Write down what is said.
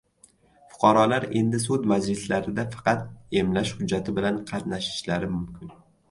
Fuqarolar endi sud majlislarida faqat emlash hujjati bilan qatnashishlari mumkin